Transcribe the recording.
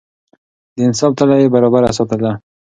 د انصاف تله يې برابره ساتله.